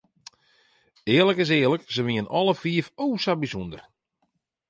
Earlik is earlik, se wienen alle fiif o sa bysûnder.